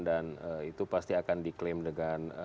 dan itu pasti akan diklaim dengan